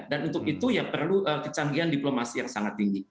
dan untuk itu perlu kecanggihan diplomasi yang sangat tinggi